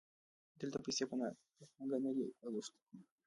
دلته پیسې په پانګه نه دي اوښتي